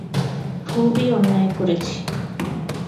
খুবই অন্যায় করেছি।